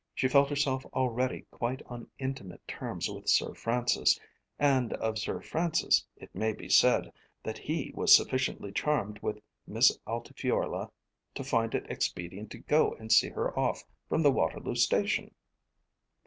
She felt herself already quite on intimate terms with Sir Francis; and of Sir Francis it may be said, that he was sufficiently charmed with Miss Altifiorla to find it expedient to go and see her off from the Waterloo Station.